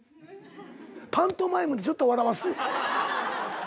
パントマイムでちょっと笑わす？